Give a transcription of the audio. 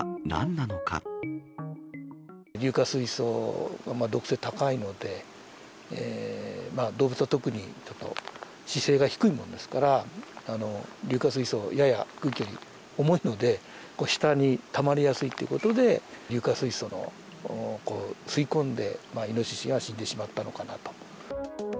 硫化水素は毒性高いので、動物は特にちょっと姿勢が低いものですから、硫化水素、やや空気より重いので、下にたまりやすいということで、硫化水素を吸い込んで、イノシシが死んでしまったのかなと。